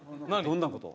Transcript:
・どんなこと？